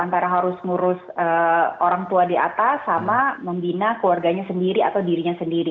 antara harus ngurus orang tua di atas sama membina keluarganya sendiri atau dirinya sendiri